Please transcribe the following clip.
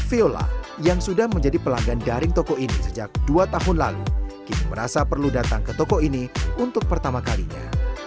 viola yang sudah menjadi pelanggan daring toko ini sejak dua tahun lalu kini merasa perlu datang ke toko ini untuk pertama kalinya